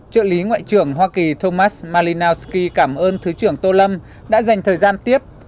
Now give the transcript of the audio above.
trợ lý ngoại trưởng hoa kỳ thomas malinasky cảm ơn thứ trưởng tô lâm đã dành thời gian tiếp